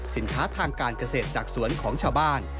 สินค้าทางการเกษตรจากสวนของชาวบ้าน